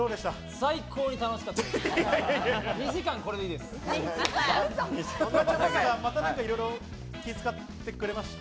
最高に楽しかった。